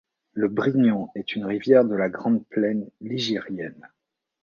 Le Brignon est une rivière de la grande plaine ligérienne.